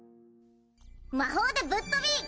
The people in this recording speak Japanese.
魔法でぶっ飛び！